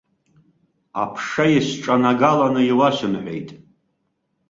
Аԥша исҿанагаланы иуасымҳәеит.